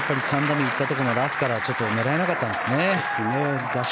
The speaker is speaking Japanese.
右の３打目に行ったところのラフから狙えなかったんですね。